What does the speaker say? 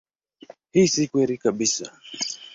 Hii si kweli kabisa.